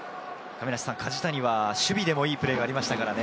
梶谷は守備でもいいプレーがありましたからね。